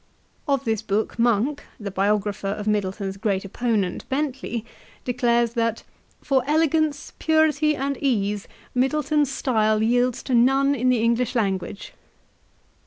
Of this book, Monk, the biographer of Middleton's great opponent, Bentley, declares that "for elegance, purity, and ease Middleton's style yields to none in the English language."